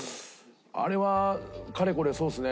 あれはかれこれそうですね